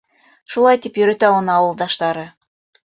Шулай тип йөрөтә уны ауылдаштары.